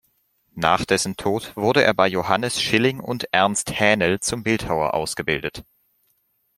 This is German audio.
Nach dessen Tod wurde er bei Johannes Schilling und Ernst Hähnel zum Bildhauer ausgebildet.